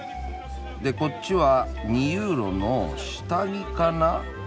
でこっちは２ユーロの下着かな？